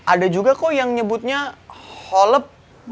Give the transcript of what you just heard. ada juga kok yang nyebutnya hollep